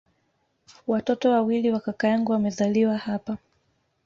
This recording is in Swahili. Watoto wawili wa kaka yangu wamezaliwa hapa